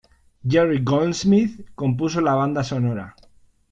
Jerry Goldsmith compuso la banda sonora.